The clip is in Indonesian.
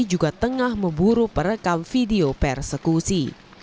juga tengah memburu perekam video persekusi